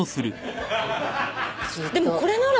でもこれなら。